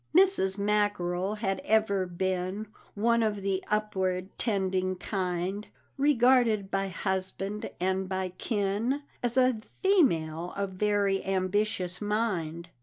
Mrs. Mackerel had ever been One of the upward tending kind, Regarded by husband and by kin As a female of very ambitious mind.